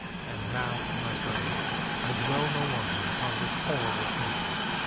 9:20 And now, my son, I dwell no longer upon this horrible scene.